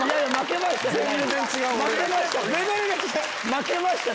負けました！